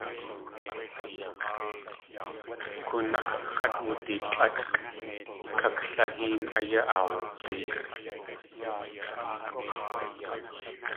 K̲únáx̲ x̲at wuditlʼákʼ, kaklahéen áyá aawag̲éet.